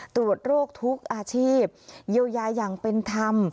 ตรวจโรคทุกอาชีพเยียวยาอย่างเป็นธรรม